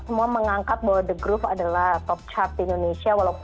semua mengangkat bahwa the groove adalah top chart di indonesia